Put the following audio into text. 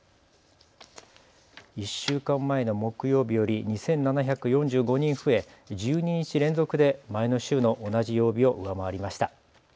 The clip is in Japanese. １週間前の木曜日より２７４５人増え、１２日連続で前の週の同じ曜日を上回りました。